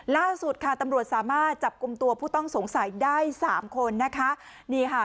ล่าสุดค่ะตำรวจสามารถจับกลุ่มตัวผู้ต้องสงสัยได้สามคนนะคะนี่ค่ะ